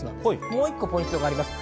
もう一個、ポイントがあります。